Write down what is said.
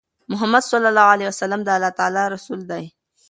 محمد ص د الله تعالی رسول دی.